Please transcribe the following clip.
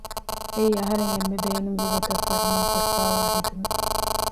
އެއީ އަހަރަން އެންމެ ބޭނުންވި ގޮތަށް ފަރުމާ ކޮށްފައިވާ ހެދުމެއް